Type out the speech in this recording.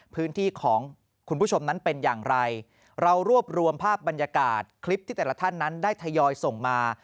พื้นที่ของคุณผู้ชมนั้นเป็นอย่างไรเรารวบรวมภาพบรรยากาศคลิปที่แต่ละท่านนั้นได้ทยอยส่งมา